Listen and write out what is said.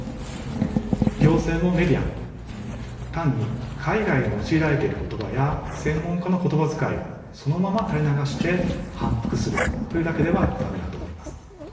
行政もメディアも単に海外で用いられてる言葉や専門家の言葉遣いをそのまま垂れ流して反復するというだけでは駄目だと思います。